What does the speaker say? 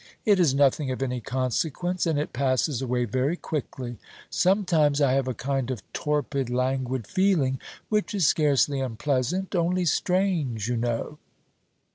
It is nothing of any consequence, and it passes away very quickly. Sometimes I have a kind of torpid languid feeling, which is scarcely unpleasant, only strange, you know.